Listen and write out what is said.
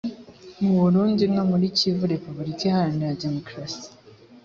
mu burundi no muri kivu repuburika iharanira demokarasi